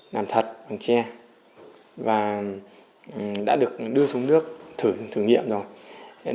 làm thật bằng tre và đã được đưa xuống nước thử thử nghiệm rồi